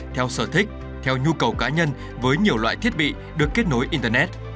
theo sở thích theo nhu cầu cá nhân với nhiều loại thiết bị được kết nối internet